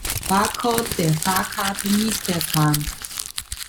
Barcode der Fahrkarte nicht erkannt.